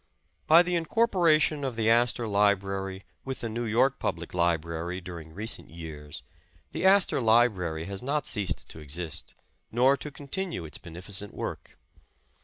By the incorporation of the Astor Library with the New York Public Library during recent years, the As tor Library has not ceased to exist, nor to continue its beneficient work.